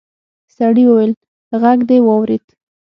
سړي وويل غږ دې واورېد.